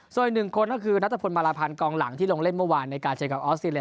ส่วนอีกหนึ่งคนก็คือนัทพลมาลาพันธ์กองหลังที่ลงเล่นเมื่อวานในการเจอกับออสเตรเลี